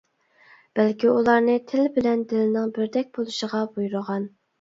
بەلكى ئۇلارنى تىلى بىلەن دىلىنىڭ بىردەك بولۇشىغا بۇيرۇغان.